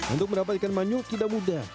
untuk mendapat ikan manyu tidak mudah